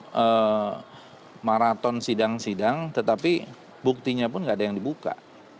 ada maraton sidang sidang tetapi buktinya pun tidak ada yang dibuka